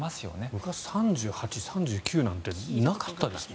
昔３８、３９なんてなかったですもん。